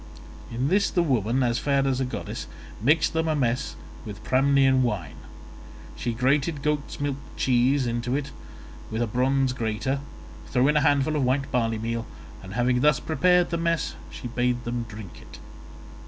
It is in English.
In this the woman, as fair as a goddess, mixed them a mess with Pramnian wine; she grated goat's milk cheese into it with a bronze grater, threw in a handful of white barley meal, and having thus prepared the mess she bade them drink it.